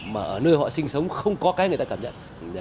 mà ở nơi họ sinh sống không có cái người ta cảm nhận